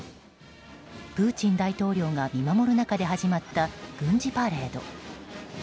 プーチン大統領が見守る中で始まった軍事パレード。